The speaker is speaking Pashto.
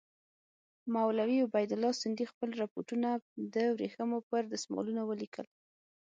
مولوي عبیدالله سندي خپل رپوټونه د ورېښمو پر دسمالونو ولیکل.